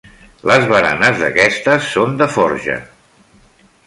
Les baranes d'aquestes són de forja.